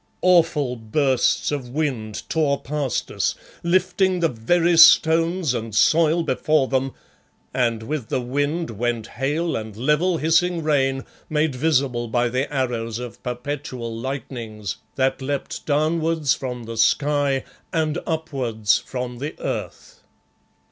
Awful bursts of wind tore past us, lifting the very stones and soil before them, and with the wind went hail and level, hissing rain, made visible by the arrows of perpetual lightnings that leapt downwards from the sky and upwards from the earth.